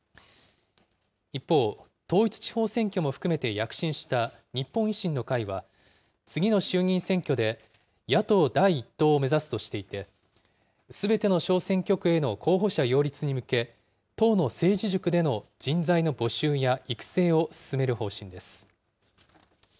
一方、統一地方選挙も含めて躍進した日本維新の会は、次の衆議院選挙で野党第１党を目指すとしていて、すべての小選挙区への候補者擁立に向け、党の政治塾での人材の募集や育成を進める方針です。